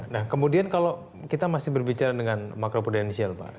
nah kemudian kalau kita masih berbicara dengan makro prudensial pak